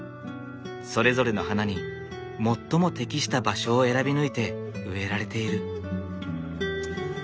それぞれの花に最も適した場所を選び抜いて植えられている。